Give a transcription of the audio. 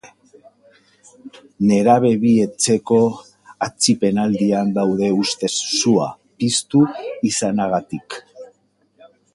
Nerabe bi etxeko atzipenaldian daude ustez sua piztu izanagatik.